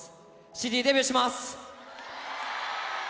ＣＤデビューします！